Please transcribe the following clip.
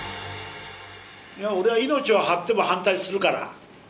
俺は命を張っても反対するから。